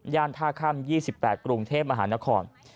ย่านท่าข้าม๒๘กรุงเทพฯอาหารคล